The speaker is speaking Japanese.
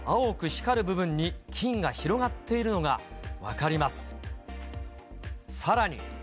光る部分に菌が広がっているのが分かります。